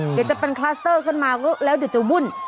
เดี๋ยวจะเป็นคลัสเตอร์ขึ้นมาแล้วเดี๋ยวจะวุ่น